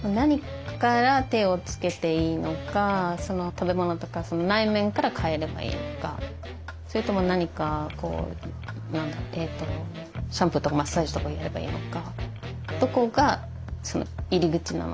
食べ物とか内面から変えればいいのかそれとも何かシャンプーとかマッサージとかやればいいのか。